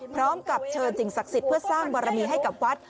พร้อมกับเชิญสิ่งศักดิ์สิทธิ์เพื่อสร้างบารมีให้กับวัด